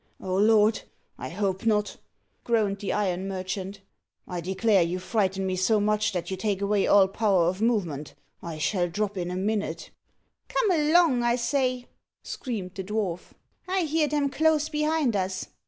"O Lord! I hope not," groaned the iron merchant. "I declare, you frighten me so much that you take away all power of movement. I shall drop in a minute." "Come along, I say," screamed the dwarf. "I hear them close behind us."